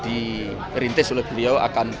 diperintis oleh beliau akan